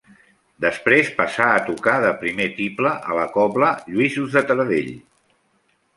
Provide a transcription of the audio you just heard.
Després passà a tocar de primer tible a la cobla Lluïsos de Taradell.